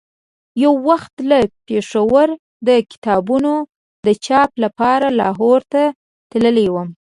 یو وخت له پېښوره د کتابونو د چاپ لپاره لاهور ته تللی وم.